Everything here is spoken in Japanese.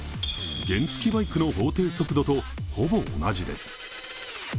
原付きバイクの法定速度とほぼ同じです。